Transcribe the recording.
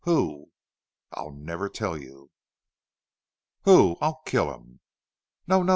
"Who?" "I'll never tell you." "Who?... I'll kill him!" "No no.